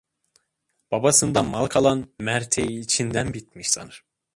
Babasından mal kalan, merteği içinden bitmiş sanır.